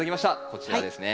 こちらですね。